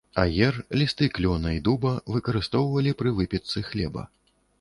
Аер, лісты клёна і дуба выкарыстоўвалі пры выпечцы хлеба.